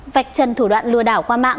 vạch chân thủ đoạn lừa đảo qua mạng